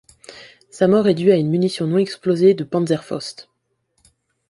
Sa mort est due à une munition non explosée de Panzerfaust.